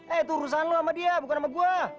eh itu urusan lo sama dia bukan sama gue